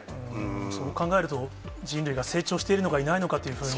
そう考えると、人類が成長しているのか、いないのかというふうに。